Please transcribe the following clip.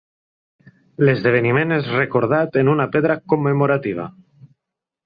L’esdeveniment és recordat en una pedra commemorativa.